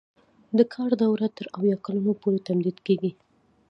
د کار دوره تر اویا کلونو پورې تمدید کیږي.